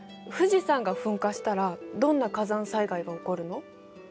富士山が噴火したらどんな火山災害が起こるの？